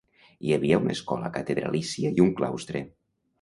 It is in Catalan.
Hi havia una escola catedralícia i un claustre.